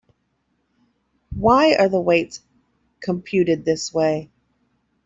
Why are the weights computed this way?